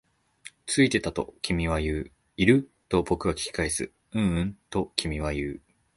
ついてた、と君は言う。いる？と僕は聞き返す。ううん、と君は言う。